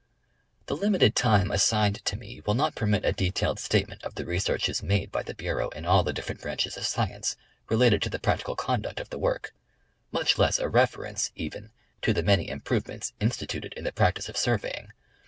The limited time assigned to me will not permit a detailed statement of the researches made by the Bureau in all the dif ferent branches of science related to the practical conduct of the work, much less a reference, even, to the many improvements instituted in the practice of surveying.